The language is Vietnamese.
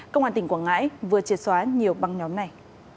công an tỉnh quảng ngãi vừa triệt xóa nhiều băng nhóm này